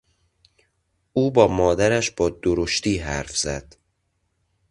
او با مادرش با درشتی حرف زد.